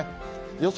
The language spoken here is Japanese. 予想